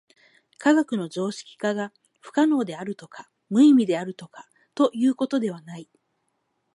科学の常識化が不可能であるとか無意味であるとかということではない。